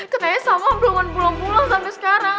katanya salma belum pulang pulang sampe sekarang